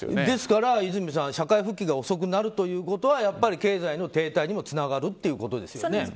ですから和泉さん社会復帰が遅くなるということはやっぱり経済の停滞にもつながるということですよね。